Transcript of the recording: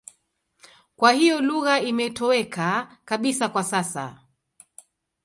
Kwa hiyo lugha imetoweka kabisa kwa sasa.